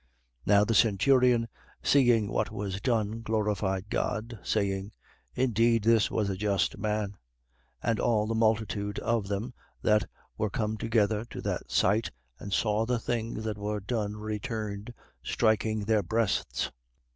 23:47. Now, the centurion, seeing what was done, glorified God, saying: Indeed this was a just man. 23:48. And all the multitude of them that were come together to that sight and saw the things that were done returned, striking their breasts.